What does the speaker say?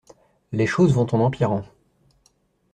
Les choses vont en empirant.